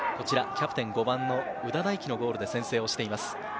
キャプテン５番の夘田大揮のゴールで先制をしています。